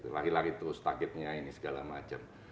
lari lari terus sakitnya ini segala macam